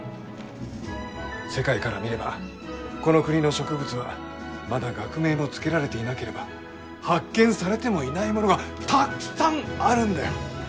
世界から見ればこの国の植物はまだ学名も付けられていなければ発見されてもいないものがたっくさんあるんだよ！